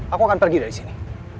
aku akan pergi dari sini